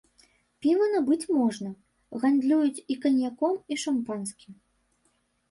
Піва набыць можна, гандлююць і каньяком, і шампанскім.